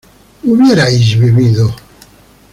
hubierais vivido